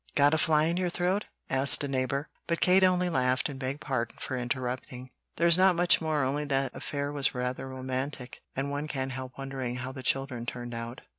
"Got a fly in your throat?" asked a neighbor; but Kate only laughed and begged pardon for interrupting. "There's not much more; only that affair was rather romantic, and one can't help wondering how the children turned out.